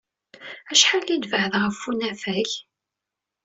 Acḥal ay nebɛed ɣef unafag?